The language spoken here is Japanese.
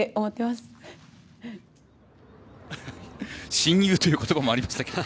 親友という言葉もありましたけれども。